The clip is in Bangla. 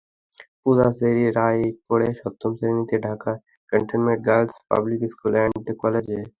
পূজা চেরি রায় পড়ে সপ্তম শ্রেণিতে, Dhaka cantonment girls public school and কলেজে।